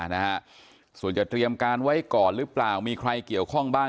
นะฮะส่วนจะเตรียมการไว้ก่อนหรือเปล่ามีใครเกี่ยวข้องบ้าง